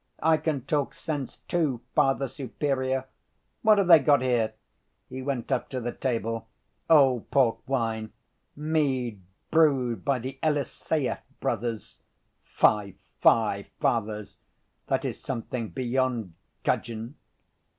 I can talk sense, too, Father Superior. What have they got here?" He went up to the table. "Old port wine, mead brewed by the Eliseyev Brothers. Fie, fie, fathers! That is something beyond gudgeon.